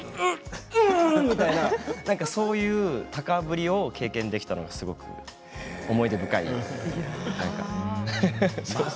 うんという、たかぶりを経験できたのがすごく思い出深いと。